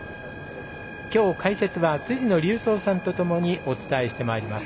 きょう解説は辻野隆三さんとともにお伝えしてまいります。